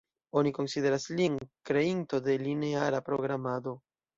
Oni konsideras lin kreinto de lineara programado.